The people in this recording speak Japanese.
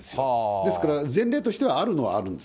ですから前例としてはあるにはあるんです。